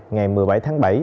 ngày một mươi bảy tháng bảy